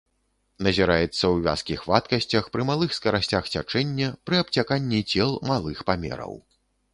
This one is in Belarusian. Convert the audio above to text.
Назіраецца ў вязкіх вадкасцях, пры малых скарасцях цячэння, пры абцяканні цел малых памераў.